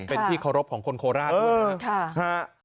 เป็นที่เคารพของคนโคราชด้วย